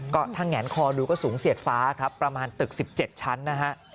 ก็ถ้าแงนคอดูก็สูงเสียดฟ้าครับประมาณตึก๑๗ชั้นนะฮะ